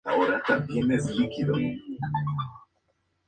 El municipio cuenta con escudo y bandera propia.